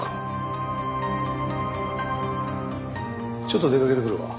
ちょっと出かけてくるわ。